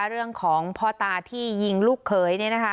เรื่องของพอตาที่ยิงลูกเคยนี่นะคะ